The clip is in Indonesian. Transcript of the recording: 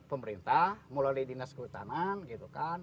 pemerintah mulai dari dinas kehutanan